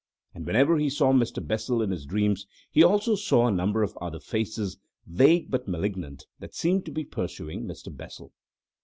And whenever he saw Mr. Bessel in his dreams he also saw a number of other faces, vague but malignant, that seemed to be pursuing Mr. Bessel.